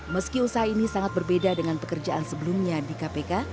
meski usaha ini sangat berbeda dengan pekerjaan sebelumnya di kpk